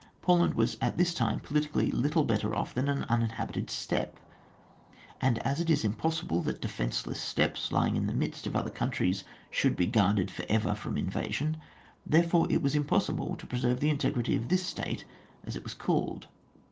Poland was at this time politically little better than an uninhabi ted steppe ; and as it is impossible that defenceless steppes, lying in the midst of other countries should be gufurded for ever from invasion, therefore it was impossible to preserve the integrity of this state, as it was called.